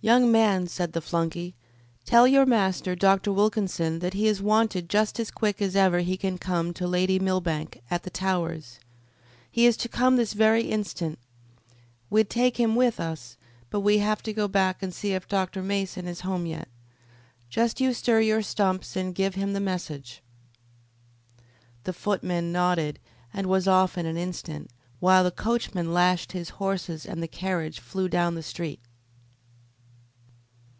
"Young man," said the flunky, "tell your master, Dr. Wilkinson, that he is wanted just as quick as ever he can come to Lady Millbank, at the Towers. He is to come this very instant. We'd take him with us, but we have to go back to see if Dr. Mason is home yet. Just you stir your stumps and give him the message." The footman nodded and was off in an instant, while the coachman lashed his horses and the carriage flew down the street.